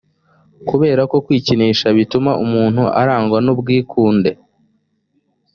kubera ko kwikinisha bituma umuntu arangwa n ubwikunde